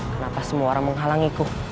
kenapa semua orang menghalangiku